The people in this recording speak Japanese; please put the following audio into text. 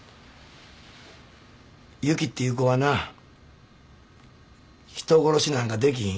由紀っていう子はな人殺しなんかできひん。